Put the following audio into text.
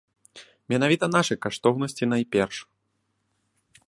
Менавіта нашы каштоўнасці найперш.